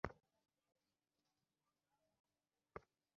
তিনি বুঝতে পারছেন, কেন এত কষ্টের পরও নিজাম বা রহিমা ও-বাড়িতে পড়ে আছে।